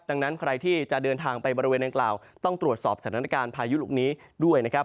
ดังนั้นใครที่จะเดินทางไปบริเวณนางกล่าวต้องตรวจสอบสถานการณ์พายุลูกนี้ด้วยนะครับ